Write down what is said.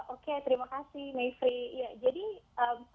oke terima kasih mayfrey